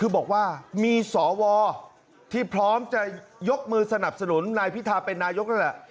คือบอกว่ามีสวที่พร้อมจะยกมือสนับสนุนนายพิธาเป็นนายกนั่นแหละ